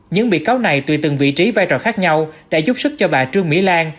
những bị cáo này tùy từng vị trí vai trò khác nhau đã giúp sức cho bà trương mỹ lan